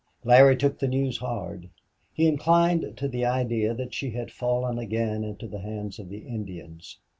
Larry took the news hard. He inclined to the idea that she had fallen again into the hands of the Indians.